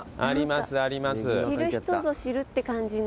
知る人ぞ知るって感じの。